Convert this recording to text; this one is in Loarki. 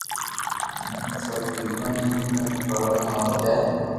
ھين ھون ليکون جيس تڪ پورا نہ ھوئي جائي